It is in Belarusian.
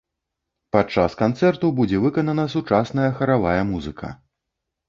Падчас канцэрту будзе выканана сучасная харавая музыка.